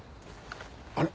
あれ？